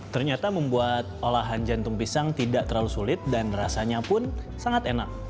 ternyata membuat olahan jantung pisang tidak terlalu sulit dan rasanya pun sangat enak